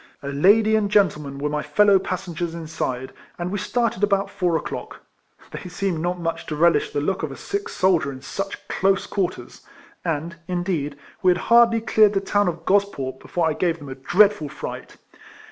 A lady and gentleman were my fellow passengers inside, and we started about four o'clock. They seemed not much to relish the look of a sick soldier in such close quarters; and, indeed, we had hardly cleared the town of Gosport be fore I gave them a dreadful fright.